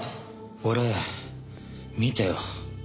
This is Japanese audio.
俺見たよ。